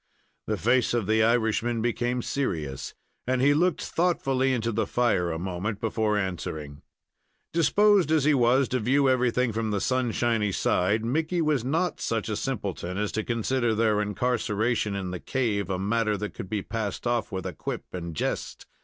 The face of the Irishman became serious, and he looked thoughtfully into the fire a moment before answering. Disposed as he was to view everything from the sunshiny side, Mickey was not such a simpleton as to consider their incarceration in the cave a matter that could be passed off with a quirp and jest.